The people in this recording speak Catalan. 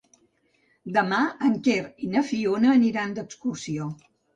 Demà en Quer i na Fiona aniran d'excursió.